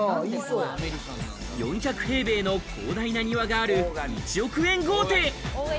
４００平米の広大な庭がある１億円豪邸。